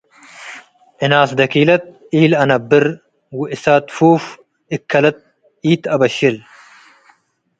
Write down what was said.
እናስ ደኪለት ኢልአነብር ወእሳት ፉፍ እከለት ኢትችአበሽል።